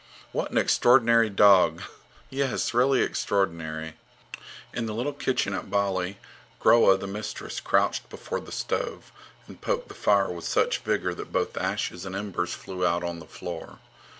What an extraordinary dog! Yes, really extraordinary. In the little kitchen at Bali, Groa, the mistress, crouched before the stove and poked the fire with such vigour that both ashes and embers flew out on the floor.